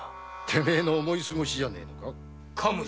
てめぇの思い過ごしじゃねぇのか？